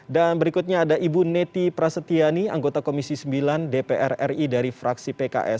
dan berikutnya ada ibu neti prasetyani anggota komisi sembilan dpr ri dari fraksi pks